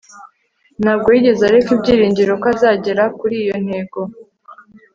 Ntabwo yigeze areka ibyiringiro ko azagera kuri iyo ntego